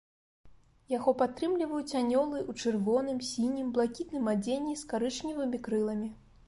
Яго падтрымліваюць анёлы ў чырвоным, сінім, блакітным адзенні з карычневымі крыламі.